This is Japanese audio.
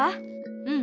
うん。